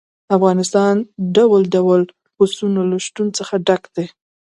افغانستان د ډول ډول پسونو له شتون څخه ډک دی.